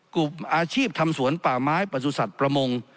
กลุ่มอาชีพธรรมสวนป่าไม้ประสุทธิ์สัตว์ประมง